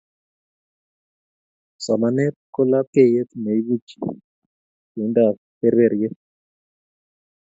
somanet ko lapkeiyet ne ipuchi tuindap perperiet